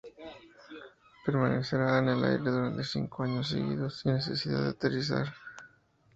Permanecerá en el aire durante cinco años seguidos sin necesidad de aterrizar.